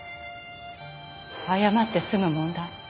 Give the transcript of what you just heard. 謝って済む問題？